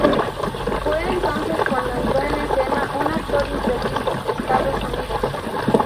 Fue entonces cuando entró en escena un actor imprevisto, Estados Unidos.